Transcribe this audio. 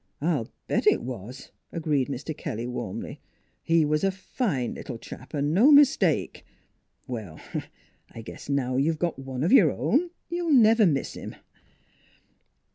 " I'll bet it was !" agreed Mr. Kelly warmly. " He was a fine little chap an' no mistake. ... Well, I guess now you got one o' your own you'll never miss him."